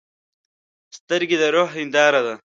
سترګې د روح هنداره ده.